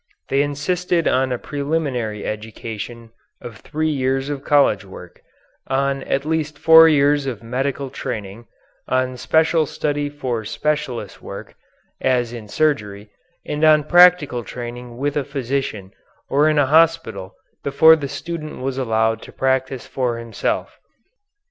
They insisted on a preliminary education of three years of college work, on at least four years of medical training, on special study for specialist's work, as in surgery, and on practical training with a physician or in a hospital before the student was allowed to practise for himself.